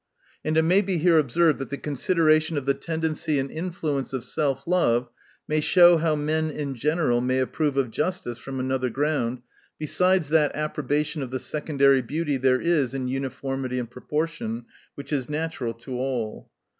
And it may be here observed, that the consideration of the tendency and in fluence of self love may show, how men in general may approve of justice from another ground, besides that approbation of the secondary beauty there is in uniformity and proportion, which is natural to all.